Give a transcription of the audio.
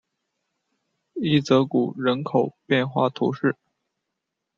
伊泽谷人口变化图示